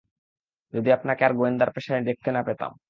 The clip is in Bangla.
যদি আপনাকে আর গোয়েন্দার পেশায় দেখতে না পেতাম!